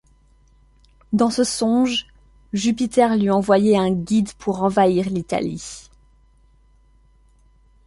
Dans ce songe, Jupiter lui envoyait un guide pour envahir l'Italie.